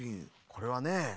これはね